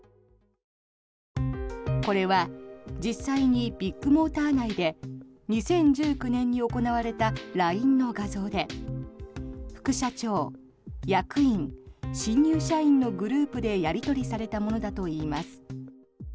これは実際にビッグモーター内で２０１９年に行われたＬＩＮＥの画像で副社長、役員、新入社員のグループでやり取りされたものだといいます。